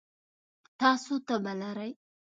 تاسو تبه لرئ؟